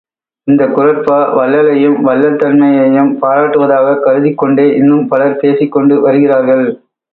இந்தக் குறட்பா, வள்ளலையும் வள்ளல் தன்மை யையும் பாராட்டுவதாகக் கருதிக்கொண்டே இன்னும் பலர் பேசிக்கொண்டு வருகிறார்கள்.